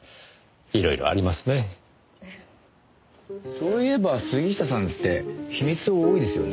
そういえば杉下さんって秘密多いですよね？